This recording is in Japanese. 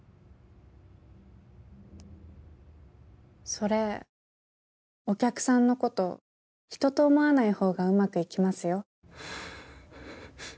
それお客さんのこと人と思わない方がうまくいきますよ